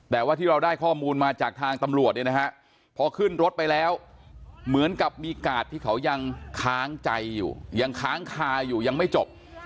แต่ว่าที่เราได้ข้อมูลมาจากทางตำรวจเนี่ยนะฮะพอขึ้นรถไปแล้วเหมือนกับมีกาดที่เขายังค้างใจอยู่ยังค้างคาอยู่ยังไม่จบ